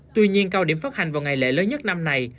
tuy nhiên cao điểm phát hành vào ngày lễ lớn nhất năm nay